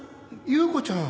「祐子ちゃん」